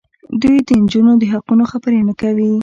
دوی د نجونو د حقونو خبرې نه کوي.